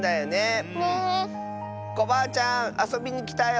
コバアちゃんあそびにきたよ！